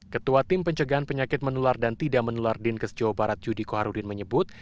ketua tim pencegahan penyakit menular dan tidak menular dinkes jawa barat yudi koharudin menyebut